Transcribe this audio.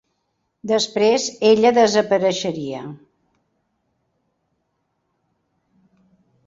Després, ella desapareixeria.